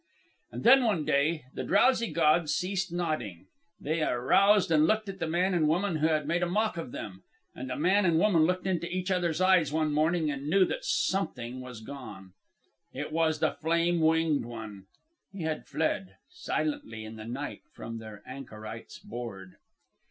"And then one day the drowsy gods ceased nodding. They aroused and looked at the man and woman who had made a mock of them. And the man and woman looked into each other's eyes one morning and knew that something was gone. It was the flame winged one. He had fled, silently, in the night, from their anchorites' board.